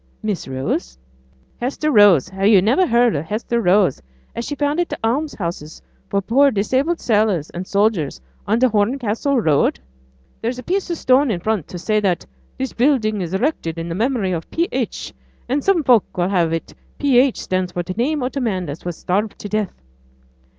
'Miss Rose?' 'Hester Rose! have yo' niver heared of Hester Rose, she as founded t' alms houses for poor disabled sailors and soldiers on t' Horncastle road? There's a piece o' stone in front to say that "This building is erected in memory of P. H." and some folk will have it P. H. stands for t' name o' th' man as was starved to death.'